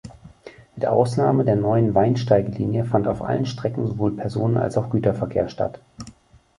Mit Ausnahme der Neuen-Weinsteige-Linie fand auf allen Strecken sowohl Personen- als auch Güterverkehr statt.